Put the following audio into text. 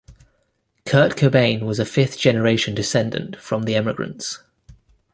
Kurt Cobain was a fifth generation descendent from the emigrants.